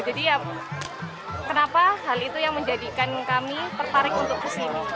jadi kenapa hal itu yang menjadikan kami tertarik untuk kesini